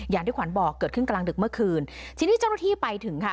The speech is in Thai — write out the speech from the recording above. อย่างที่ขวัญบอกเกิดขึ้นกลางดึกเมื่อคืนทีนี้เจ้าหน้าที่ไปถึงค่ะ